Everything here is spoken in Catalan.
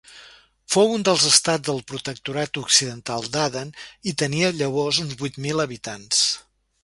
Fou un dels estats del Protectorat Occidental d'Aden, i tenia llavors uns vuit mil habitants.